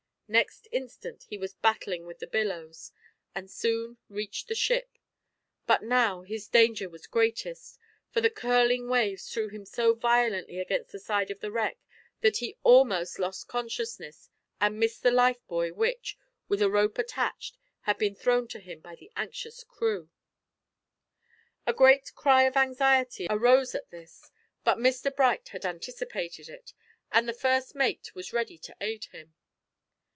Next instant he was battling with the billows, and soon reached the ship; but now his danger was greatest, for the curling waves threw him so violently against the side of the wreck that he almost lost consciousness and missed the lifebuoy which, with a rope attached, had been thrown to him by the anxious crew. A great cry of anxiety arose at this, but Mr Bright had anticipated it, and the first mate was ready to aid him.